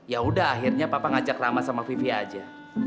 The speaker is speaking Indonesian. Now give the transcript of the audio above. yaudah akhirnya papa ngajak rama sama vivi aja